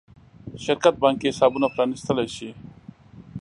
شرکت بانکي حسابونه پرانېستلی شي.